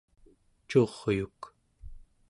Curyuk